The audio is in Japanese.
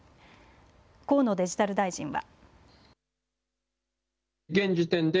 河野デジタル大臣は。